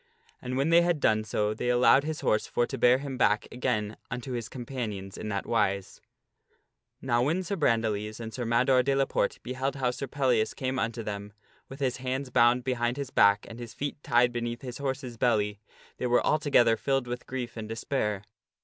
And when The Lad they had done so they allowed his horse for to bear him back Ettardputs again unto his companions in that wise. ^^PeUias. Now when Sir Brandiles and Sir Mador de la Porte beheld how Sir Pellias came unto them with his hands bound behind his back and his feet tied beneath his horse's belly, they were altogether filled with grief and despair.